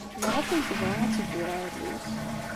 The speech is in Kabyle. Maɣef ay tebɣa ad teddu ɣer Rrus?